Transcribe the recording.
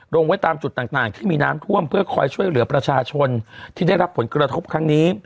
ลงไว้ตามจุดต่างที่มีน้ำท่วมเพื่อคอยช่วยเหลือประชาชนที่ได้รับผลกระทบครั้งนี้